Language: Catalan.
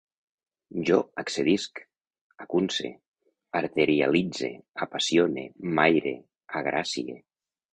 Jo accedisc, acunce, arterialitze, apassione, m'aïre, agracie